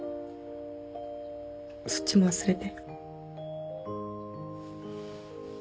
そっちも忘れて。